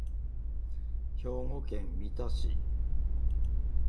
兵庫県三田市